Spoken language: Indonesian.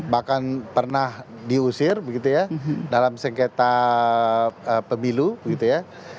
bahkan pernah diusir begitu ya dalam sengketa pemilu gitu ya